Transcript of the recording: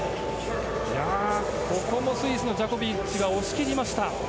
ここもスイスのジャコビッチが押し切りました。